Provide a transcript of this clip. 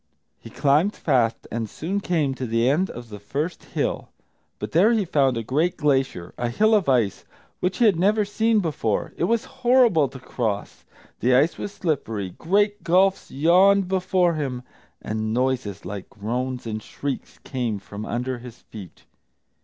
He climbed fast, and soon came to the end of the first hill. But there he found a great glacier, a hill of ice, which he had never seen before. It was horrible to cross, the ice was slippery, great gulfs yawned before him, and noises like groans and shrieks came from under his feet.